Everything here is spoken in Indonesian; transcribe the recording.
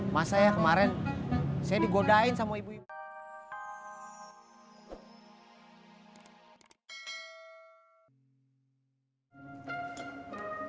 masa ya kemarin saya digodain sama ibu ibu